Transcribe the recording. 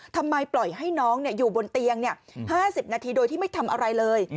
ทำไมปล่อยให้น้องอยู่บนเตียง๕๐นาทีโดยที่ไม่ทำอะไรเลย